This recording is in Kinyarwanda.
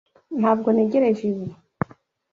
Ntabwo ntegereje ibi.